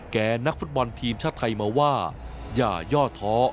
นักฟุตบอลทีมชาติไทยมาว่าอย่าย่อท้อ